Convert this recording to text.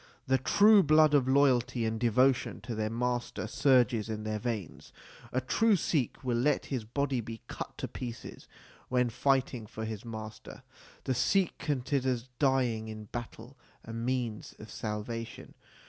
The true blood of loyalty and devotion to their master surges in their veins. A true Sikh will let his body be cut to pieces when fighting for his master. The Sikh considers dying in battle a means of salvation.